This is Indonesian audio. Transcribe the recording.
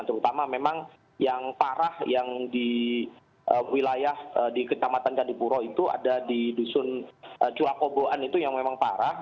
terutama memang yang parah yang di wilayah di kecamatan candipuro itu ada di dusun curakoboan itu yang memang parah